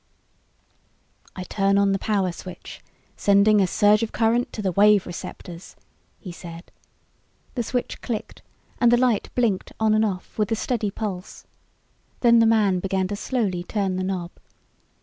"I turn on the Power Switch, sending a surge of current to the Wave Receptors," he said. The switch clicked and the light blinked on and off with a steady pulse. Then the man began to slowly turn the knob.